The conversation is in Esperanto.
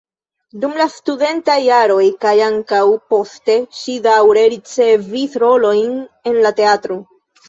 Dum la studentaj jaroj kaj ankaŭ poste ŝi daŭre ricevis rolojn en la teatro.